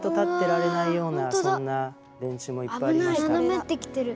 斜めってきてる。